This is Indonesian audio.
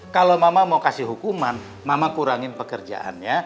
kalau mama mau kasih hukuman mama kurangin pekerjaannya